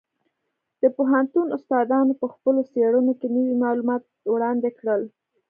د پوهنتون استادانو په خپلو څېړنو کې نوي معلومات وړاندې کړل.